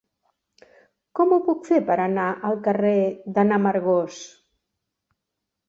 Com ho puc fer per anar al carrer de n'Amargós?